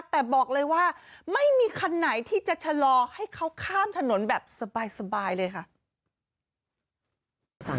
แต่บอกเลยว่าไม่มีคันไหนที่จะชะลอให้เขาข้ามถนนแบบสบายเลยค่ะ